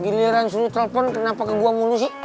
giliran suruh telfon kenapa ke gue mulu sih